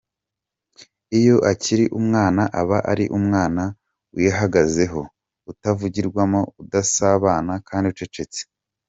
Iyo akiri umwana aba ari umwana wihagazeho utavugirwamo, udasabana kandi ucecetse.